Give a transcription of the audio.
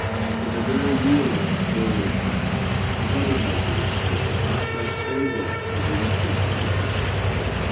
In the very year when this Bill was passed another measure was taken not less fatal to the interest of the country.